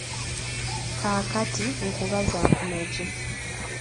Kaakati nkuba za ku magi.